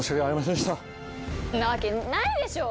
そんなわけないでしょ！